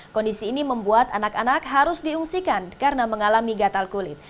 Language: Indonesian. kondisi ini membuat anak anak harus diungsikan karena mengalami gatal kulit